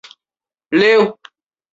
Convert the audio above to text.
贝冢车站共用的铁路车站。